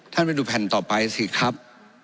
ท่านไปดูแผ่นต่อไปสิครับ